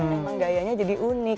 emang gayanya jadi unik